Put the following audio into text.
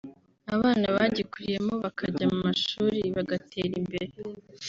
abana bagikuriyemo bakajya mu mashuri bagatera imbere[…